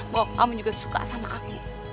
bahwa kamu juga suka sama aku